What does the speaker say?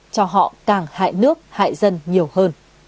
cho họ càng hại nước hại dân nhiều hơn